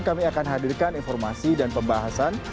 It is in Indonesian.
kami akan hadirkan informasi dan pembahasan